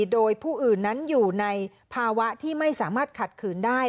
โดยผู้อื่นนั้นอยู่ในภาวะที่ไม่สามารถขัดขืนได้